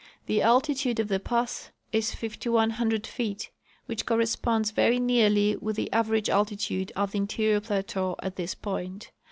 The altitude of the pass is 5,100 feet, which corresponds very nearly with the average altitude of the interior plateau at this point.